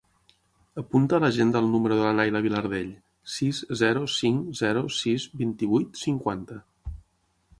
Apunta a l'agenda el número de la Nayla Vilardell: sis, zero, cinc, zero, sis, vint-i-vuit, cinquanta.